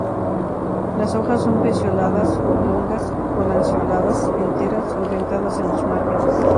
Las hojas son pecioladas, oblongas a lanceoladas, enteras o dentadas en los márgenes.